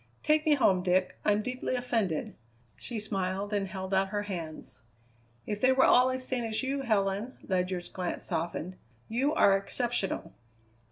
Take me home, Dick, I'm deeply offended." She smiled and held out her hands. "If they were all as sane as you, Helen," Ledyard's glance softened. "You are exceptional."